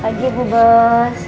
pagi bu bos